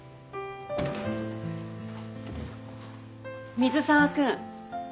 水沢君。